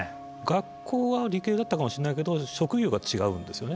学校は理系だったかもしれないけど職業が違うんですよね。